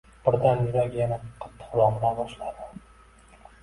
Birdan yuragi yanada qattiqroq ura boshladi.